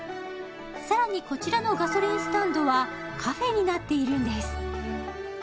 さらにこちらのガソリンスタンドはカフェになっているんです